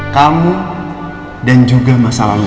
kamu dan juga masalahmu